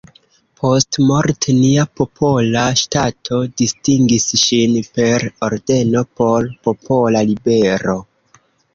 Postmorte nia popola ŝtato distingis ŝin per ordeno „Por popola libero".